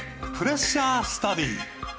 プレッシャースタディ。